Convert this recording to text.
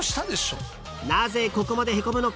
［なぜここまでへこむのか］